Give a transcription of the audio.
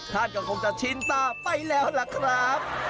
ท่านก็คงจะชินตาไปแล้วล่ะครับ